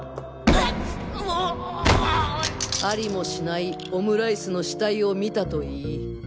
うわありもしない「オムライスの死体を見た」と言い。